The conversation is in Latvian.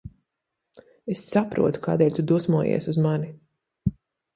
Es saprotu, kādēļ tu dusmojies uz mani.